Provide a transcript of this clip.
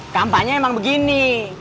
kampanye emang begini